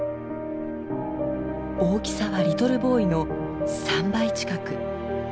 大きさはリトルボーイの３倍近く。